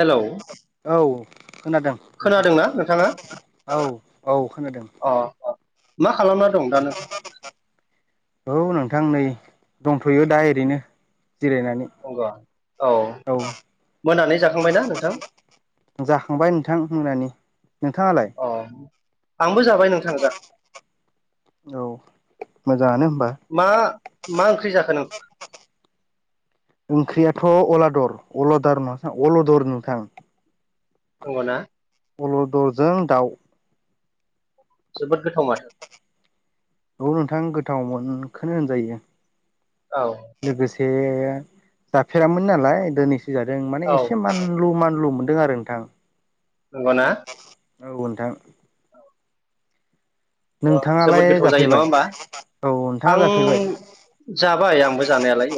Hello औ खोनादों नोंथां। खोनादोंना नोंथाङा औ औ खोनादों। अ मा खालामना दं दा नोंथाङा औ नोंथां नै दंथ'यो दा एरैनो। औ मोनानि जाखांबायना नोंथां? जाखांबाय नोंथां मोनानि। नोंथाङालाय? अ आंबो जाबाय नोंथां जा औ मोजाङानो होनबा। मा मा ओंख्रि जाखो नों [inaudible] ओंख्रियाथ' अलादर अलादार नङा अलदर नोंथां। नंगौना? अलदरजों दाउ। जोबोद गोथाव माथो। औ नोंथां गोथावमोनखोनो होनजायो। औ। ए जाफेरामोन नालाय दोनैसो जादों माने औ एसे मानलु मान लु मोनदों आरो नोंथां। नंग'ना? औ नोंथां। अह जोबोद नोंथाङालाय गोथाव जायो, नङा जाफेरबाय होमबा? औ नोंथाङा जाफेरबाय आं जाबाय आंबो जानायालाय।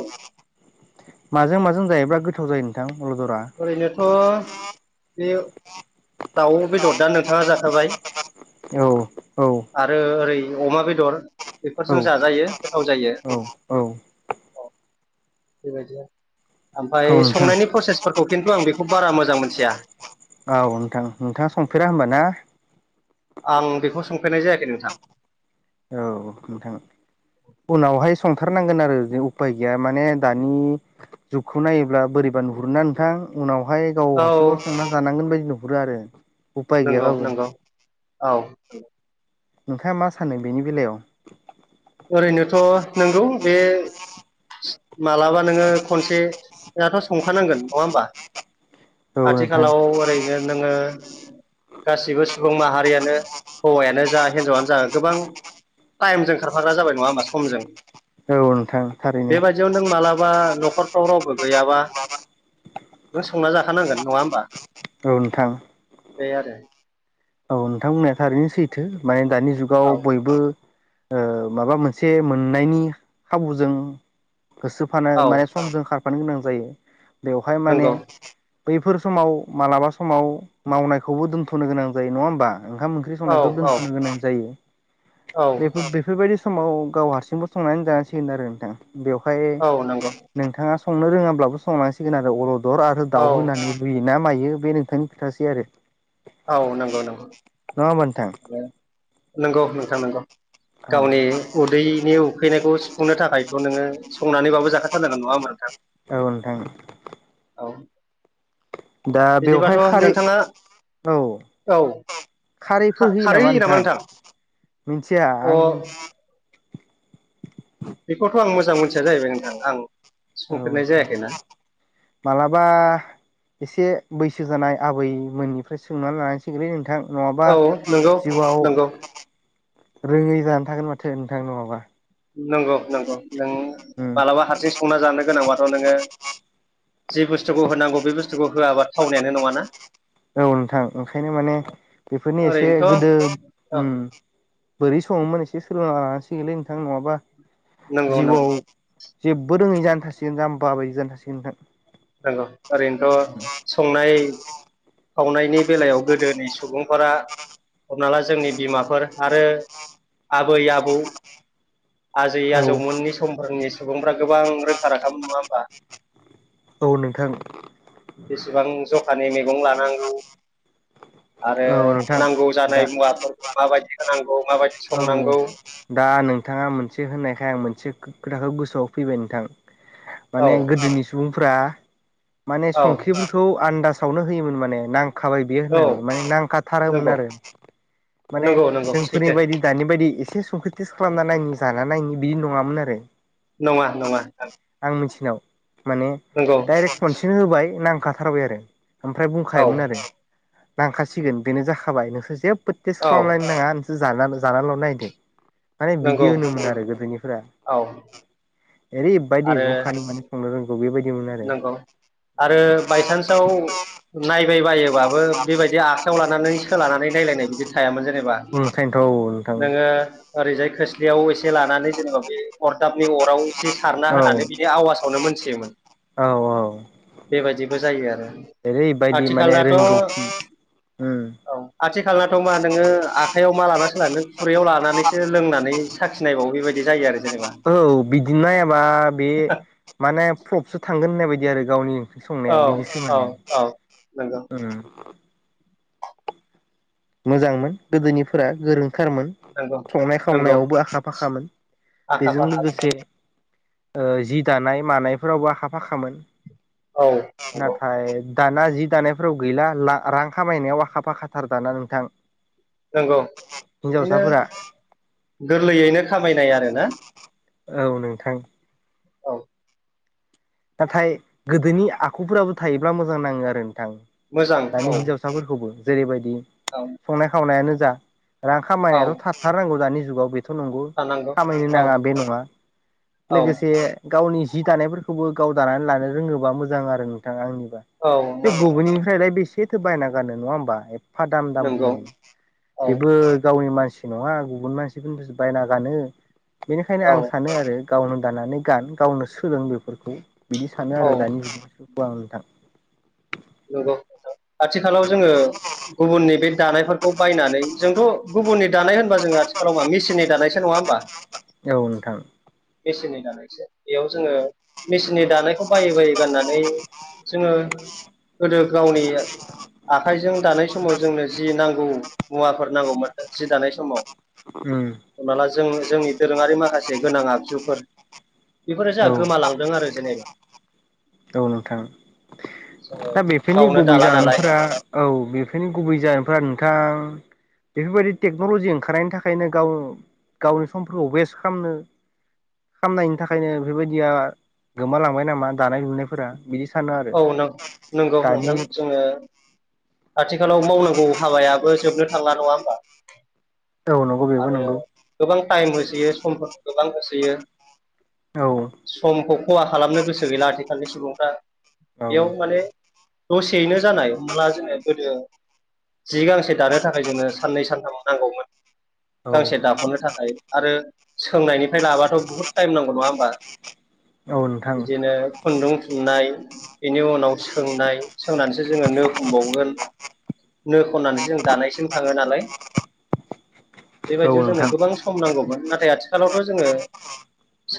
माजों माजों जायोब्ला गोथाव जायो नोंथां? अलदरा ओरैनोथ' बे दाउ बेदरा नोंथाङा जाखाबाय। औ औ। आरो ओरै अमा बेदर औ बेफोरजों जाजायो गोथाव जायो। औ औ बेबायदिनो औ ओमफाय नोंथां संनायनि फ्रसेसफोरखौ खिन्थु आं बेखौ बारा मोजां मोनथिया। औ नोंथां नोंथाङा संफेरा होमबा ना? आं बेखौ संफेरनाय जायाखै नोंथां। औ नोंथां उनावहाय संथार नांगोन आरो उफाय गैया माने दानि जुगखौ नायोब्ला बोरैबा नुहुरोना नोंथां उनाव हाय गाव औ हारसिंब्लाबो संना जानांगोन बायदि नुहुरो आरो। उफाय नंगौ गैयाबाबो नंगौ औ। नोंथाङा मा सानो बेनि बेलायाव? ओरैनोथ' नंगौ बे मालाबा नोङो खनसेयाथ' संखानांगोन नङा होमबा? औ नोंथां आथिखालाव ओरैनो नोङो गासिबो सुबुं माहारियानो हौवायानो जा हिनजावानो जा गोबां टाइमजों खारफाग्रा जाबाय नङा होमा समजों। औ नोंथां थारैनो। बा न'खरफ्राव रावबो गैयाबा नों संना जाखानांगोन नङा होमबा? ओ नोंथां। बे आरो। औ नोंथां बुंनाया थारैनो सैथो माने दानि जुगाव बे आरो बयबो ओ माबा मोनसे मोननायनि खाबुजों होसोफानो औ माने समजों खारफानो गोनां जायो बेवहाय माने नंगौ बैफोर समाव मालाबा समाव मावनायखौबो दोनथ'नो गोनां जायो नङा होमबा? ओंखाम ओंख्रि औ संनायखौ औ दोनथ'नो गोनां जायो औ बेफोर बेफोरबायदि समाव गाव हारसिंबो संनानै जानांसिगोन आरो नोंथां बेवहाय औ नंगौ नोंथाङा संनो रोङाब्लाबो संनांसिगोन आरो अर'दर आरो औ दाउ होनानैबो रूयो। ना मायो बे नोंथांनि खोथासै आरो। औ नोंगौ नोंगौ। थां। नोंगौ नोंथां नोंगौ। गावनि उदैनि उखैनायखौ सुफुंनो थाखायथ' नोङो संनानै बाबो जाखाथारनांगोन नङा होमबा नोंथां औ नोंथां [inaudible] औ। दा बिदिबाथ' बेवहाय खारै नोंथाङा औ औ [unintelligible] खारैफोर होयो नामा नोंथां? मिथिया अ आं बेखौथ' आं मोजां मोनथिया जाहैबाय नोंथां आं औ संफेरनाय नोंथां जायाखैना मालाबा इसे बैसो जानाय आबैमोननिफ्राय सोंनानै लानांसिगोनलै नोंथां। नङाबा औ नंगौ जिउआव नंगौ रोङै जानानै थागोन माथो नोंथां नङाबा। नोंगौ नोंगौ नों उम मालाबा हारसिं संना जानो गोनांबाथ' नोङो जि बुस्थुखौ होनांगौ बे बुस्थुखौ होआबा थावनायानो नङाना? औ नोंथां ओंखायनो माने बेफोरनि एसे ओरैनोथ' गोदो औ उम। बोरै सङोमोन एसे सोलोंना लानांसिगोनलै नोंथां नङाबा नंगौ नंगौ जिउआव जेब्बो रोङै जानो थासिगोन जाम्बा बायदि जानो थासिगोन नोंथां। नंगौ ओरैनोथ' संनाय खावनायनि बेलायाव गोदोनि सुबुंफोरा हमना ला जोंनि बिमाफोर आरो आबै आबौ आजै औ आजौमोननि समफोरनि सुबुंफ्रा गोबां रोंखा राखा मोन नङा होमबा? औ नोंथां। बेसेबां जखानि मैगं लानांगौ। आरो औ नोंथां नांगौ दा जानाय मुवाफोरखौ माबायदि होनांगौ। माबायदि औ संनांगौ दा नोंथाङा मोनसे होननायखाय आं मोनसे खो खोथाखौ गोसोआव फैबाय नोंथां औ माने गोदोनि सुबुंफ्रा माने औ संख्रिफोरखौ आन्दासावनो होयोमोन माने नां खाबाय बियो औ होननानै माने नांखाथारोमोन नंगौ आरो माने नंगौ नंगौ जोंफोरनि सैथो बायदि बेबायदि इसे संख्रि टेस खालामना नायनि जाना नायनि बिदि नङामोन आरो। नङा नङा नोंथां। आं मिथिनाव माने डाइरेक्ट खनसेनो होबाय नांखाथारबाय आरो ओमफ्राय औ बुंखायोमोन आरो नांखासिगोन बेनो जाखाबाय नोंसोर जेबो टेस्ट औ खालामलायनो नाङा नोंसोर जानाल जानाल' नायदो माने बिदि नंगौ होनोमोन नंगौ आरो गोदोनिफोरा [inaudible] औ एरैबायदि जखानि मानि संनो रोंगौ बेबायदि नोंगौ आरो बायसान्सआव नायबायबायो बाबो बेबायदि आखाइायाव लानानै सोलानानै नायलायनाय बिदि थायामोन जेन नेबा ओंखायनोथ' औ नोंथां नोङो ओरैजाय खोस्लियाव एसे लानानै जेनेबा बे अरदाबनि अराव इसे सारना औ होनानै बिदि आवासावनो मोनथियोमोन औ औ बेबायदिबो जायो आरो ओरैबायदि माने आथिखलाथ' औ रोंगौथि उम आथिखालथ' मा नोङो आखाइयाव मा लानसो लानो नों खुरैयाव लानानैसो लोंनानै साखिनायबावो बेबायदि जायो आरो जेनेबा औ बिदि नायाबा बे माने प्रफसो थांगोन होननाय बायदि आरो गावनि ओंख्रि संनाया औ बिदिसो औ माने औ नंगौ ओं मोजांमोन गोदोनिफोरा गोरों खारमोन नंगौ संनाय नंगौ खावनायावबो आखा फाखामोन आखा बेजों फाखा लोगोसे ओ जि दानाय मानायफोरावबो आखा फाखामोन औ नंगौ नाथाय दाना जि दानायफोराव गैला रां खामायनायाव आखा फाखाथार दाना नोंथां नोंगौ बिदिनो हिनजावसाफोरा गोरलैयैनो खामायनाय आरो ना औ नोंथां औ नाथाय गोदोनि आखुफोराबो थायोबा मोजां नाङो आरो थां मोजां दानि औ हिनजावसाफोरखौबो जेरैबायदि औ संनाय खावनायानो जा रां औ खामायनायाथ' थाथारनांगौ दानि जुगाव थ' नंगौ थानांगौ खामायनो औ नाङा बे नङा औ लोगोसे गावनि जि दानायफोर खौबो गाव दानानै लानो रोङोबा मोजां आरो नोंथां आंनिबा औ बे नंगौ बेनिफ्राय बेसे सेथो बायना गानो नङा होमबा एफा दाम दाम नंगौ होनानै औ बेबो गावनि मानसि मानसि नङा गुबुन मानसिफोरनिसो बायना गानो बेनिखायनो औ आं सानो आरो गावनो दानानै गान गावनो सोलों बेफोरखौ बिदि सानो औ आरो दानि जुग आव नोंथां नंगौ आथिखालाव जोङो गुबुननि बे दानायफोरखौ बायनानै जोंथ' गुबुननि दानाय होनबा जोङो आथिखालावा मिसिननि दानायसो नङा होमबा औ नोंथां मेसिननि बेयाव जोङो मेसिननि दानायखौ बायै बायै गाननानै जोङो गोदो गावनि आखाइजों दानाय समाव जोंनो जि नांगौ मुवाफोर नांगौमोन जि दानाय समाव उम हमना ला जों जोंनि दोरोङारि माखासे गोनां आगजुफोर बेफोरो औ जोंहा गोमालांदों आरो जेनेबा औ नोंथां [unintelligible] दा बेफोरनि गावनो गुबै दाला नालाय जाहोनफोरा औ बेफोरनि गुबै जाहोनफोरा नोंथां बेफोरबायदि टेक्न'लजि ओंखारनायनि थाखायनो गाव गावनि समफोरखौ वेस्ट खालामनो खामनायनि थाखायनो बेबायदिया गोमालांबाय नामा दानाय लुनायफोरा बिदि सानो आरो औ नों [unintelligible] नंगौ दानि नोंथां जोङो आथिखालाव मावनांगौ हाबायाबो जोबनो थांला नङा होमबा औ नंगौ बेबो आरो नंगौ गोबां टाइम होसोयो समफोरफोरखौ गोबां होसोयो औ समखौ खहा खालामनो गोसो गैला आथिखालनि सुबुंफ्रा औ बेयाव माने दसेैनो जानाय हमना ला जोङो गोदो जि गांसे दानो थाखाय जोंनो साननै सानथाम नांगौमोन औ गांसे दाफ'नो थाखाय आरो सोंनायनिफ्राय लाबाथ' बहुद टाइम नांगौ नङा होमबा औ नोंथां बिदिनो खुन्दुं थुननाय बेनि उनाव सोंनाय सोंनानैसो जोङो नो खमबावगोन नो खननानैसो जों दानायसिम थाङो नालाय औ बेबायदियाव जोंनो नोंथां गोबां सम नांगौमोन नाथाय आथि खालावथ' जोङो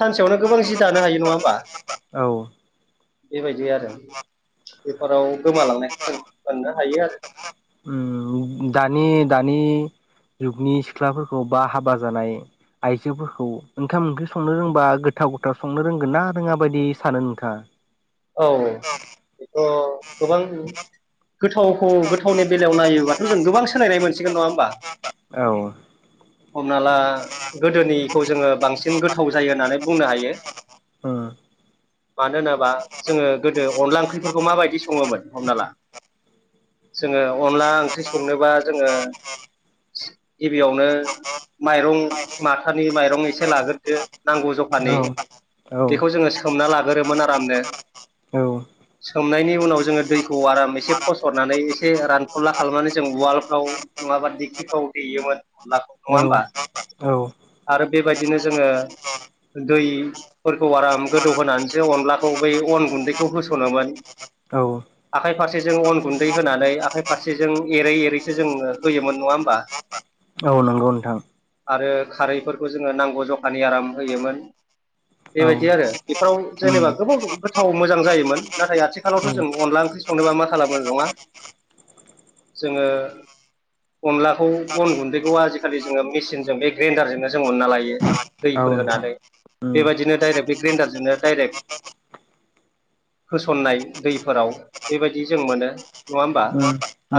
सानसेयावनो गोबां जि दानो हायो नङा होमबा औ बेबायदि आरो बेफोराव गोमालांनाय हायो आरो उम दानि दानि जुगनि सिख्लाफोरखौ बा हाबा जानाय आइजोफोरखौ ओंखाम ओंख्रि संनो रोंबा गोथाव गोथाव संनो रोंगोन ना रोङा बायदि सानो नोंथाङा औ बेथ' गोबां गोथावखौ गोथावनि बेलायाव नायोबाथ' जों गोबां सोलायनाय मोनसिगोन नङा होमबा औ हमना ला गोदोनिखौ जोङो बांसिन गोथाव जायो होननानै बुंनो हायो मानोनाबा जोङो गोदो अनला ओंख्रिफोरखौ माबायदि सङोमोन हमना ला जोङो अनला ओंख्रि संनोबा जोङो गिबियावनो माइरं माथानि माइरं एसे लाग्रोदो नांगौ जखानि औ बेखौ जोङो सोमना लागोरोमोन आरामनो औ सोमनायनि उनाव जोङो दैखौ आराम एसे फसरनानै एसे रानफुदला खालामनानै जों उवालफ्राव नङाबा दिखिफ्राव देयोमोन अनलाखौ नङा होमबा औ आरो बेबायदिनो जोङो दैफोरखौ आराम गोदौ होनानैसो अनलाखौ बै अन गुन्दैखौ होस'नोमोन औ आखाइ फारसेजों अन गुन्दै होनानै आखाइ फारसेजों एरै एरैसो जोङो होयोमोन नङा होमबा औ नो आरो खारैफोरखौ जोङो नांगौ जखानि आराम होयोमोन औ बेबायदि आरो बेफोराव उम औ जेनेबा गोबाव गो -थाव मोजां जायोन नाथाय आथिखालावथ' जों अनला ओंख्रि संनोबा मा खालामो नङा जोङो अनलाखौ बन गुन्दैखौ आजिखालि जोङो मेचिनजों बे ग्रेनदारजोंनो जों उनना लायो दैफोर नोंथां होनानै उम बेबायदिनो डाइरेक्ट बे ग्रेन्डारजोंनो डाइरेक्ट होसन्नाय दैफोराव बेबायदि जों मोनो नङा होमबा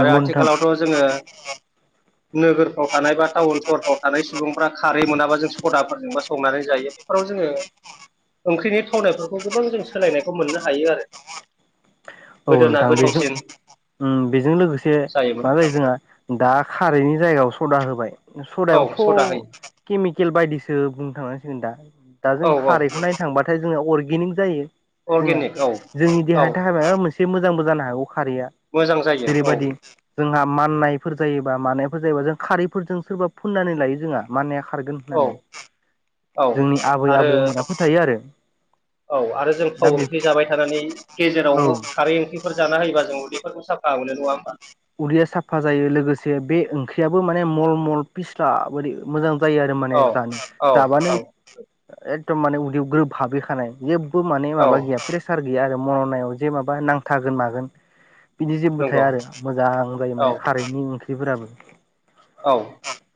आरो नोंथां आथिखालावथ' जोङो नोगोरफ्राव थानाय बा टाउन सहरफ्राव थानाय सुबुंफ्रा खारै मोनाबा जों सदाफोरजोंबा संनानै जायो बेफोराव जोङो ओंख्रिनि थावनायफोरखौ गोबां जों सोलायनायखौ मोननो हायो आरो औ गोदोना नोंथां बेजों गोथावसिन उम बेजों लोगोसे जायोमोन मा जायो जोंहा दा खारैनि जायगायाव सदा होबाय औ सदा होयो सदायावथ' केमिकेल बायदिसो बुंनो थांनांसिगोन दा दा औ जों औ खारैखौ नायनो थांबाथाय जोंना अर्गेनिं जायो जोंना अर्गेनिक औ जोंनि औ देहानि थाखाय मायबा मोनसे मोजांबो जानो हागौ खारैया मोजां जायो औ जेरैबायदि जोंहा माननायफोर जायोबा मानायफोर जायोबा जों खारैफोरजों सोरबा फुननानै लायो जोंहा माननाय खारगोन औ होननानै औ जोंनि आबै आरो आबौमोना फोथायो आरो औ आरो जों दा थाव बे ओंख्रि जाबाय थानानै औ गेजेराव खारै ओंख्रिफोर जाना होयोबा जों उदैफोरखौ साफा मोनो नङा होमबा उदैया साफा जायो लोगोसे बे ओंख्रियाबो माने मल मल फिस्ला मोजां जायो आरो माने औ औ जा औ माने औ माबा गैया प्रेसार जेबो थाया नंगौ आरो मोजां जायो औ माने औ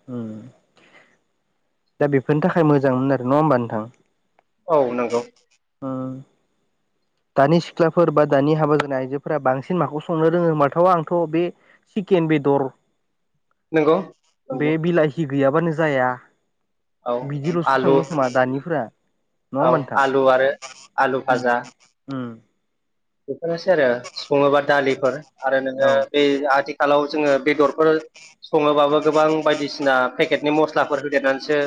ओ औ नंगौ दानि सिख्लाफोर बा दानि हाबा जानाय आइजोफोरा बांसिन माखौ संनो रोङो होनबाथ' माथावा आंथ' बे चकेन बेदर नंगौ नंगौ गैया बानो जाया औ बिदि लसो आलु सङो खोया दानिफ्रा नङा औ होनबा नोंथां आलु आरो आलु फाजा बेफोरनोसै आरो सङोबा दालिफोर आरो औ नोङो बे आथिखालाव जोङो बेदरफोर सङोबाबो गोबां बायदिसिना पेकेट बिनि मस्लाफोर होदेरनानैसो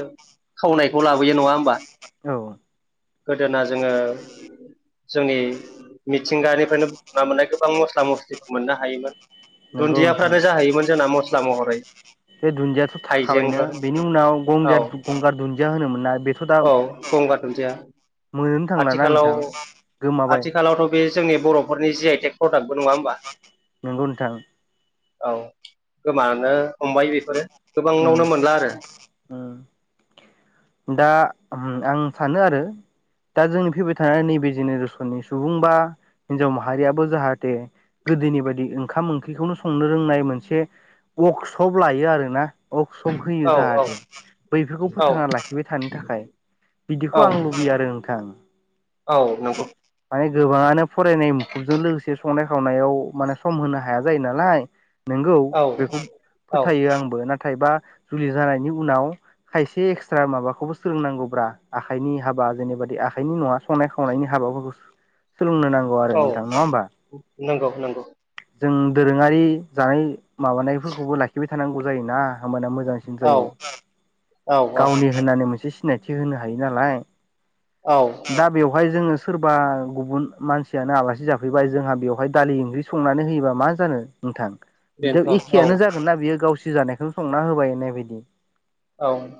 थावनायखौ लाबोयो नङा होनबा औ गोदोना जों जोनि मिथिंगानिफ्रायनो बुथुमना मोना गोबां मस्ला-मस्लिबो मोनो हायोमोन। नंगौ नोंथां दुन्दियाफ्रानो जाहैयोमोन जोंना मस्ला महरै बे दुनिया थाखाबायनो हाइजेंफोर बिनि उनाव औ गंगार होनोमोन ना बेथ दा औ गंगार दुनदिया मोनोनो थांलाना आथिखालाव नोंथां गोमाबाय आथिखालावथ' बे जोंनि बर'फोरनि जि आइटेक प्रडाक्टबो नङा होमबा। नंगौ नोंथां औ गोमानो हमबाय बेफोरो उम गोबांनावनो मोनला आरो उम दा आं सानो आरो दा जोंनि फैबाय थानाय नैबे जेनेरेसननि सुबुं बा हिनजाव माहारियाबो जाहाथे गोदोनि बायदि ओंखाम ओंख्रिखौनो संनो रोंनाय मोनसे अर्कशप लायो आरोना अकशप औ होयो जाहाथे बैफोरखौ औ फोथांना लाखि थानो थाखाय औ बिदिखौ आं लुबैयो आरो नोंथां औ नंगौ गोबाङानो फरायनाय मुखुबजों लोगोसे संनाय खावनायाव माने सम होनो हाया जायो नालाय। नंगौ औ बेखौ औ फोथायो आंबो ना थाय बा जुलि जानायनि उनाव खायसे माबाखौबो सोलोंनांगौब्रा आखाइनि हाबा जेनेबादि आखाइनि नङा संनाय खावनायनि हाबाफोरखौ सोलोंनो नांगौ आरो औ नोंथां नङा होमबा नंगौ नंगौ जों दोरोङारि जानाय माबानायफोरखौबो लाखिबाय थानांगौ जायोना। हामाना मोजांसिन औ जायो औ गावनि होननानै मोनसे सिनायथि होनो हायो नालाय औ दा बेवहाय जोङो सोरबा गुबुन मानसियानो आलासि जाफैबाय जोंहा बेवहाय दालि ओंख्रि संनानै होयोबा मा जानो नोंथां। बिदियाव बेनोथ' एखेयानो जागोन ना बियो गावसोर जानायखौ संना होबाय होननाय बायदि औ